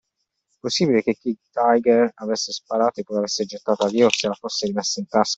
Possibile che Kid Tiger avesse sparato e poi l'avesse gettata via o se la fosse rimessa in tasca?